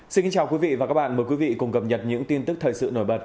xin kính chào quý vị và các bạn mời quý vị cùng cập nhật những tin tức thời sự nổi bật